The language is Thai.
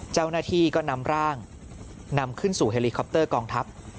เจ้าหน้าที่ก็นำร่างนำขึ้นสู่เฮลิคอปเตอร์กองทัพ